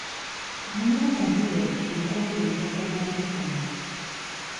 Ani aganyulwa mu kwebuuza ku bantu kuno?